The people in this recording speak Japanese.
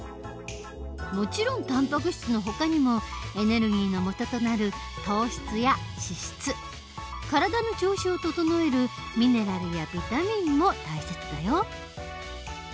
もちろんたんぱく質のほかにもエネルギーのもととなる糖質や脂質体の調子を整えるミネラルやビタミンも大切だよ。